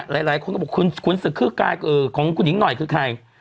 หลายคนก็บอกขุนศึกคือกายของคุณหญิงหน่อยคือใคร